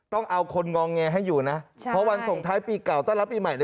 ต้องเอาคนงองแงให้อยู่นะเพราะวันส่งท้ายปีเก่าต้อนรับปีใหม่